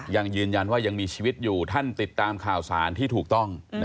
ยังยืนยันว่ายังมีชีวิตอยู่ท่านติดตามข่าวสารที่ถูกต้อง